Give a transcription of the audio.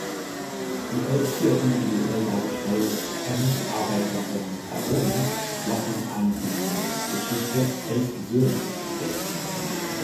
Die elf hier individuell dargestellten arbeitenden Personen lassen an die Geschichte "Elf Söhne" denken.